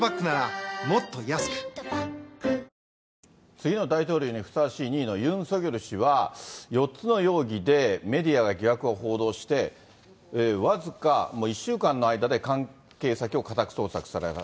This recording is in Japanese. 次の大統領にふさわしい２位のユン・ソギョル氏は、４つの容疑でメディアが疑惑を報道して、僅か１週間の間で関係先を家宅捜索された。